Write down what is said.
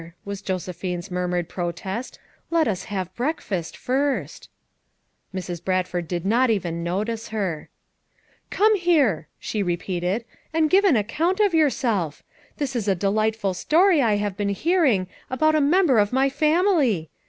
was Josephine's murmured FOUR MOTHERS AT CHAUTAUQUA 233 protest, "let us have breakfast first." Mrs. Bradford did not even notice her. "Come here," she repeated, "and give an account of yourself. This is a delightful story I have been hearing about a member of my family!